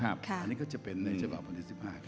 อันนี้ก็จะเป็นในฉบับวันที่๑๕ครับ